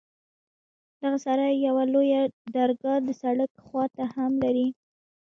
دغه سراى يوه لويه درګاه د سړک خوا ته هم لري.